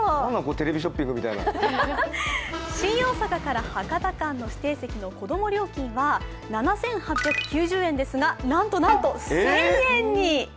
新大阪から博多間の指定席の子供料金が７８９０円ですが、なんとなんと１０００円に！